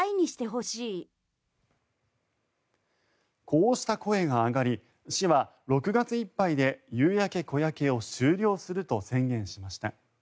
こうした声が上がり市は６月いっぱいで「夕焼小焼」を終了すると宣言しました。